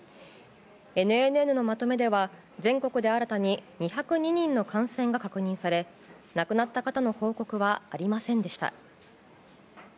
ＮＮＮのまとめでは全国で新たに２０２人の感染が確認され亡くなった方の報告はありませんでした。